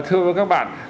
thưa các bạn